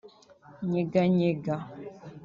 ‘Nyeganyega’